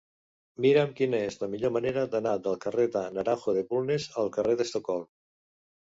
Mira'm quina és la millor manera d'anar del carrer del Naranjo de Bulnes al carrer d'Estocolm.